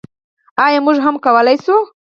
او موږ هم کولی شو.